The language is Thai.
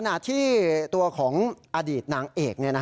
ขณะที่ตัวของอดีตนางเอก